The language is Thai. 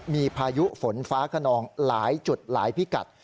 มีพายุฝนฟ้าขนองหลายจุดหลายพิกัด